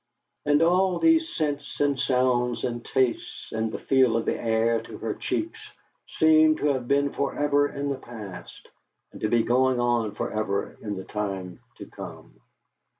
And all these scents and sounds and tastes, and the feel of the air to her cheeks, seemed to have been for ever in the past, and to be going on for ever in the time to come.